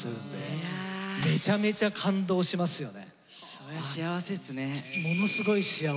それ幸せっすね。